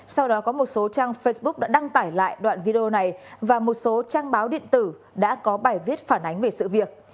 sau đó có một số trang facebook đã đăng tải lại đoạn video này và một số trang báo điện tử đã có bài viết phản ánh về sự việc